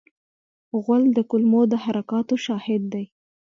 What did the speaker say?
غول د کولمو د حرکاتو شاهد دی.